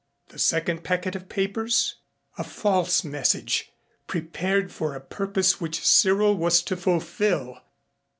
The second packet of papers? A false message, prepared for a purpose which Cyril was to fulfill.